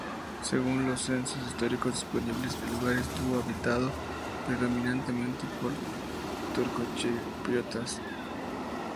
Según los censos históricos disponibles, el lugar estuvo habitado, predominantemente, por turcochipriotas.